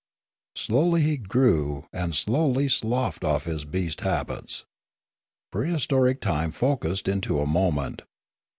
Slowly he grew and slowly sloughed off his beast habits Prehistoric time focussed into a moment.